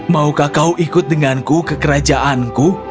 maukah kau ikut denganku ke kerajaanku